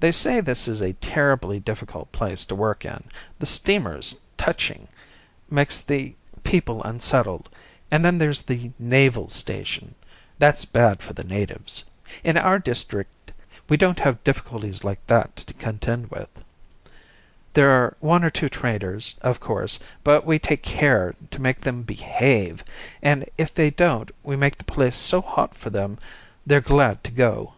"They say this is a terribly difficult place to work in. The steamers' touching makes the people unsettled; and then there's the naval station; that's bad for the natives. In our district we don't have difficulties like that to contend with. There are one or two traders, of course, but we take care to make them behave, and if they don't we make the place so hot for them they're glad to go."